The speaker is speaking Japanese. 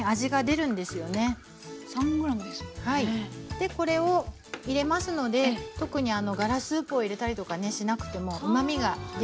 でこれを入れますので特にガラスープを入れたりとかしなくてもうまみが出るんですね。